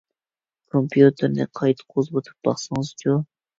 كومپيۇتېرنى قايتا قوزغىتىپ باقسىڭىزچۇ.